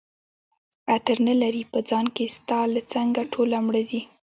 عطر نه لري په ځان کي ستا له څنګه ټوله مړه دي